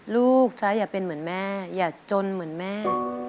จ๊ะอย่าเป็นเหมือนแม่อย่าจนเหมือนแม่